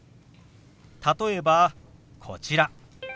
例えばこちら。